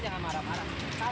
tidak saya dari sana